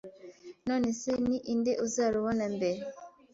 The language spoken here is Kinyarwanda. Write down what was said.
Nonese ni inde uzarubona mbere,